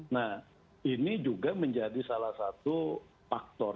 nah ini juga menjadi salah satu faktor